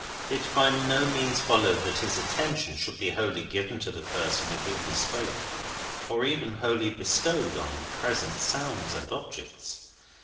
It by no means followed that his attention should be wholly given to the person with whom he spoke, or even wholly bestowed on present sounds and objects.